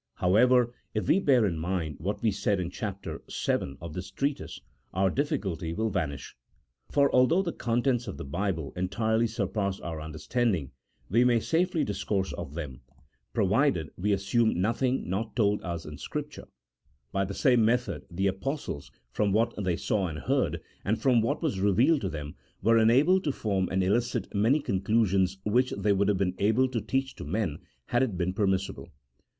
However, if we bear in mind what we said in Chap. VII. of this treatise our difficulty will vanish : for although the contents of the Bible entirely surpass our understanding, we may safely discourse of them, provided M 162 A THEOLOGICO POLITICAL TREATISE. [CHAP. XI. we assume nothing not told us in Scripture : by the same method the Apostles, from what they saw and heard, and from what was revealed to them, were enabled to form and elicit many conclusions which they would have been able to teach to men had it been permissible.